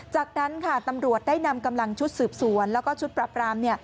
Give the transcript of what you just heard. จากนั้นค่ะตำรวจได้นำกำลังชุดสืบสวนแล้วก็ชุดปรับราม